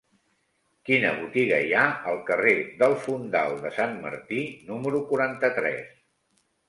Quina botiga hi ha al carrer del Fondal de Sant Martí número quaranta-tres?